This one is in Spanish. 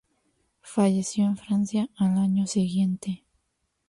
Falleció en Francia al año siguiente.